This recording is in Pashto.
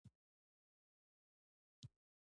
واوره د افغانستان د زرغونتیا یوه څرګنده نښه ده.